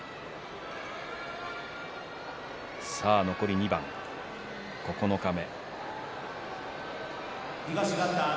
残り２番、九日目。